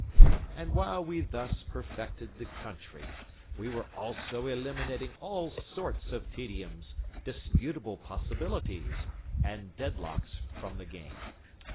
And while we thus perfected the Country, we were also eliminating all sorts of tediums, disputable possibilities, and deadlocks from the game.